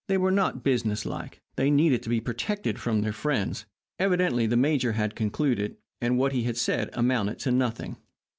They were not business like. They needed to be protected from their friends. Evidently the major had concluded. And what he had said amounted to nothing.